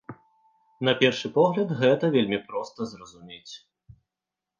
На першы погляд, гэта вельмі проста зразумець.